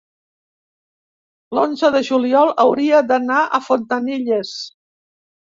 l'onze de juliol hauria d'anar a Fontanilles.